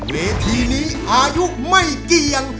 เวทีนี้อายุไม่เกี่ยง